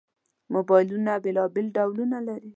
موبایلونه بېلابېل ډولونه لري.